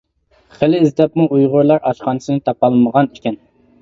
خىلى ئىزدەپمۇ ئۇيغۇرلار ئاشخانىسى تاپالمىغان ئىكەن.